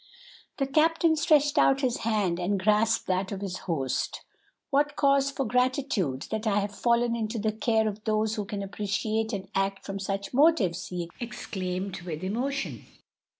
The captain stretched out his hand and grasped that of his host. "What cause for gratitude that I have fallen into the care of those who can appreciate and act from such motives!" he exclaimed with emotion.